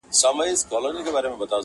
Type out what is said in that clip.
زه غښتلی یم له مځکي تر اسمانه-